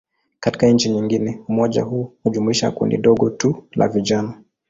Katika nchi nyingine, umoja huu hujumuisha kundi dogo tu la vijana.